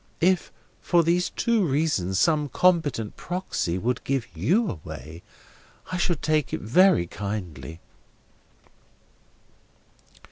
If, for these two reasons, some competent Proxy would give you away, I should take it very kindly."